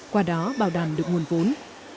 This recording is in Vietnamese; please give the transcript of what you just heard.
qua đó bảo đảm được nguồn vốn